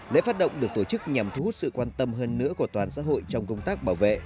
lễ phát động được tổ chức nhằm thu hút sự quan tâm hơn nữa của toàn xã hội trong công tác bảo vệ